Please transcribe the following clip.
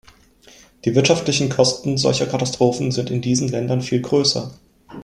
Die wirtschaftlichen Kosten solcher Katastrophen sind in diesen Ländern viel größer.